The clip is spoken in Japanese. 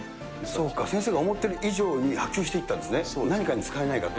そうか、先生が思ってる以上に波及していったんですね、何かに使えないかと。